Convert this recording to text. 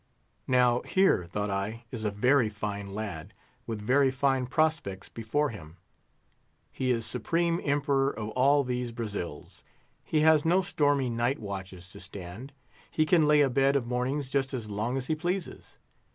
Now here, thought I, is a very fine lad, with very fine prospects before him. He is supreme Emperor of all these Brazils; he has no stormy night watches to stand; he can lay abed of mornings just as long as he pleases.